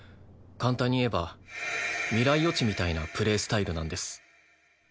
簡単に言えば未来予知みたいなプレースタイルなんです。